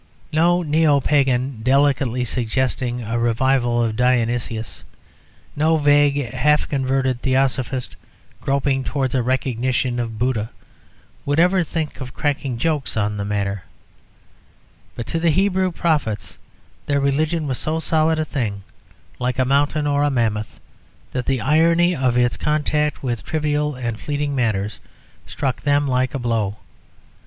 No Neo Pagan delicately suggesting a revival of Dionysus, no vague, half converted Theosophist groping towards a recognition of Buddha, would ever think of cracking jokes on the matter. But to the Hebrew prophets their religion was so solid a thing, like a mountain or a mammoth, that the irony of its contact with trivial and fleeting matters struck them like a blow.